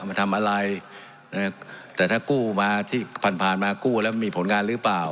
มาทำอะไรแต่ถ้ากู้มาที่ผ่านมากู้แล้วมีผลงานหรือเปล่า